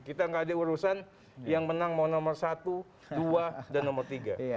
kita nggak ada urusan yang menang mau nomor satu dua dan nomor tiga